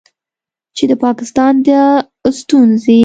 چې د پاکستان دا ستونځې